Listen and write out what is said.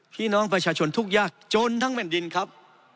พี่น้องประชาชนทุกยากจนทั้งแผ่นดินครับ